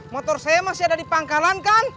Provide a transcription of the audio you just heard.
motor saya masih ada di pangkalan kan